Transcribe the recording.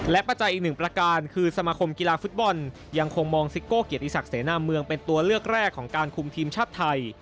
ปัจจัยอีกหนึ่งประการคือสมาคมกีฬาฟุตบอลยังคงมองซิโก้เกียรติศักดิเสนาเมืองเป็นตัวเลือกแรกของการคุมทีมชาติไทย